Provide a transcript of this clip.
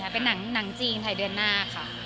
เป็นหนังจีนถ่ายเดือนหน้าค่ะ